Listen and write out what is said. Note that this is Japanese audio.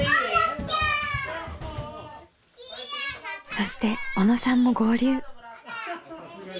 そして小野さんも合流。